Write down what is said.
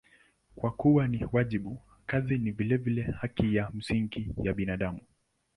Kwa kuwa ni wajibu, kazi ni vilevile haki ya msingi ya binadamu.